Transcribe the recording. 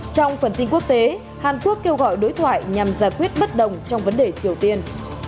trong phần tin quốc tế hàn quốc kêu gọi đối thoại nhằm giải quyết bất đồng trong vấn đề triều tiên